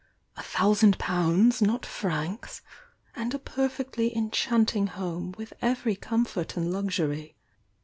— a thousand Pounds, not Francs!— and a perfectly enchanting home, with every comfort and luxury.